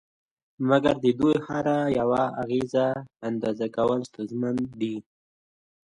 مګر د دوی د هر یوه اغېز اندازه کول ستونزمن دي